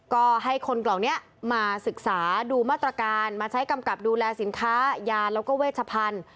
ก็ให้คนเหล่านี้มาศึกษาดูมาตรการมาใช้กำกับดูแลสินค้ายาแล้วก็เวชพันธุ์